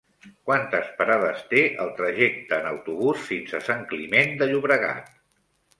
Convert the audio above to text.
Quantes parades té el trajecte en autobús fins a Sant Climent de Llobregat?